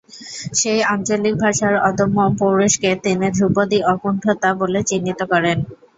সেই আঞ্চলিক ভাষার অদম্য পৌরুষকে তিনি ধ্রুপদী অকুণ্ঠতা বলে চিহ্নিত করেন।